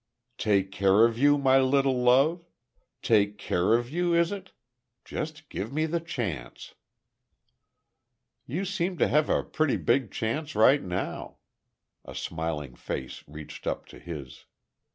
"Take care of you, my little love! Take care of you, is it? Just give me the chance!" "You seem to have a pretty big chance, right now," a smiling face reached up to his.